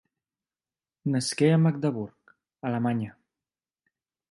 Nasqué a Magdeburg, Alemanya.